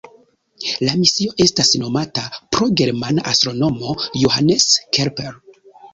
La misio estas nomata pro germana astronomo Johannes Kepler.